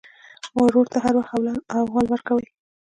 ورور ته هر وخت احوال ورکوې.